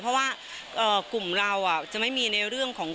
เพราะว่ากลุ่มเราจะไม่มีในเรื่องของ